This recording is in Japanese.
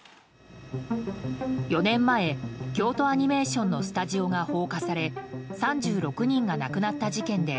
４年前、京都アニメーションのスタジオが放火され３６人が亡くなった事件で